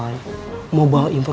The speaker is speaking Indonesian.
mau bawa informasi ke rara toh kawan